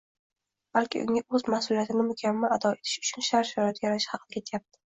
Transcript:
balki unga o‘z mas’uliyatini mukammal ado etishi uchun sharoit yaratish haqida ketyapti.